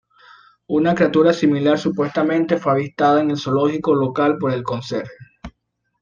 Una criatura similar supuestamente fue avistada en el zoológico local por el conserje.